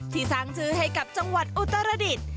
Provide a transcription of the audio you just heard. ที่สร้างชื่อให้กับจังหวัดอุตรดิษฐ์